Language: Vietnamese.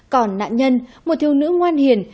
còn nạn nhân một thiêu nữ ngoan hiền